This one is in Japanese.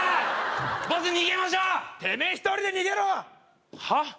ボス逃げましょうてめえ一人で逃げろはっ